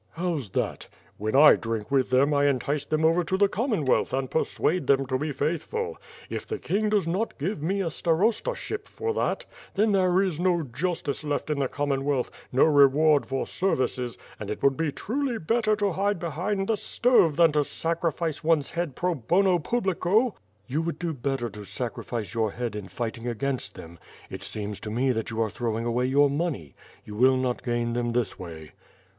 "How's that?" "When I drink with them, I entice them over to the Com monwealth and persuade them to be faithful. If the King does not give me a starostship for that, then there is no jus tice left in the Commonwealth; no reward for services; and it would be truly better to hide behind the stove than to sacrifice one's head pro bono publico." "You would do better to sacrifice your head in fighting against them; it seems to me that you are throwing away your money. You will not gain them this way."